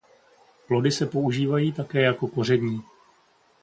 Plody se používají také jako koření.